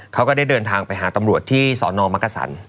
ก็ได้เดินทางไปหาตำรวจที่สนมักกษัน